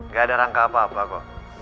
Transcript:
gak ada rangka apa apa kok